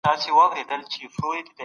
قصاص د ژوند د بقا لپاره یو الهي ضمانت دی.